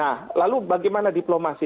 nah lalu bagaimana diplomasi